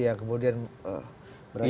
yang kemudian berani matematika